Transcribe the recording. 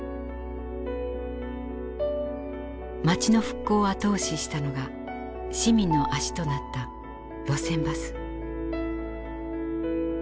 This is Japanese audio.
町の復興を後押ししたのが市民の足となった路線バス。